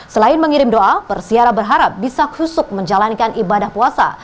selain mengirim doa persiara berharap bisa khusuk menjalankan ibadah puasa